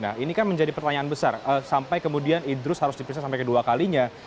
nah ini kan menjadi pertanyaan besar sampai kemudian idrus harus diperiksa sampai kedua kalinya